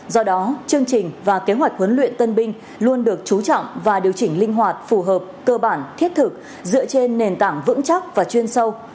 do đó chương trình và kế hoạch huấn luyện tân binh luôn được chú trọng và điều chỉnh linh hoạt phù hợp cơ bản thiết thực dựa trên nền tảng vững chắc và chuyên sâu